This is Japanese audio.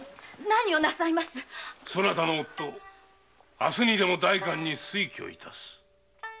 そなたの夫明日にでも代官に推挙いたす。